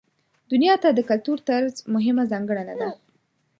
دنیا ته د کتلو طرز مهمه ځانګړنه ده.